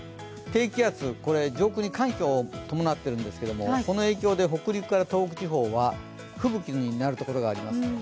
低気圧、上空に寒気を伴っているんですけれども、この影響で北陸から東北地方は吹雪になるところがあります。